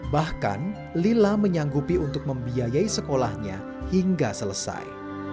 bahkan lila menyanggupi untuk membiayai sekolahnya hingga selesai